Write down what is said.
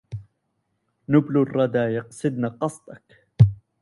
نبل الردى يقصدن قصدك